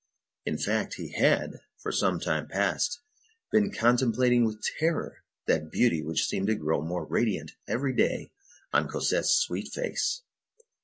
In fact, he had, for some time past, been contemplating with terror that beauty which seemed to grow more radiant every day on Cosette's sweet face.